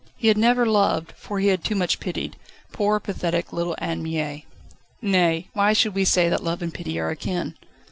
He had never loved for he had too much pitied poor, pathetic little Anne Mie. Nay; why should we say that love and pity are akin?